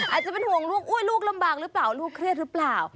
อาจจะเป็นห่วงลูกอุ๊ยลูกลำบากหรือเปล่าลูกเครียดหรือเปล่า